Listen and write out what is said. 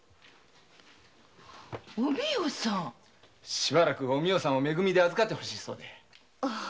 ⁉しばらくお美代さんを「め組」で預かってほしいそうで。